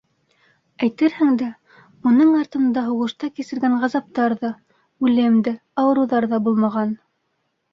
Әйтерһең дә, уның артында һуғышта кисергән ғазаптар ҙа, үлем дә, ауырыуҙар ҙа булмаған.